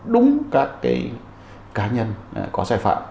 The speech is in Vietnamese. đúng các cá nhân có sai phạm